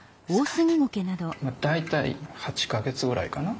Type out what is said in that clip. すごい。大体８か月ぐらいかな？